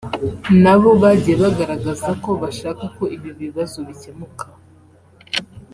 nabo bagiye bagaragaza ko bashaka ko ibi bibazo bikemuka